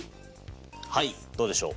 はいどうでしょう。